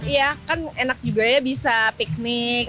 iya kan enak juga ya bisa piknik